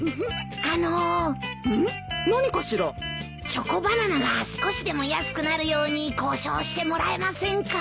チョコバナナが少しでも安くなるように交渉してもらえませんか？